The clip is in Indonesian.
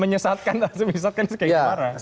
menyesatkan menyesatkan sekian kemana